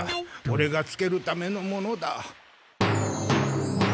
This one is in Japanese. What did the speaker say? オレがつけるためのものだ。